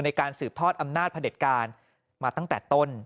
ในการสืบทอดอำนาจพระเด็จการมาตั้งแต่ต้น